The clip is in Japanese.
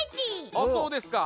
あっそうですか。